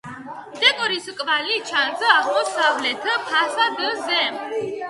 დეკორის კვალი ჩანს აღმოსავლეთ ფასადზე.